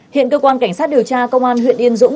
hiện cơ quan cảnh sát điều tra công an huyện yên dũng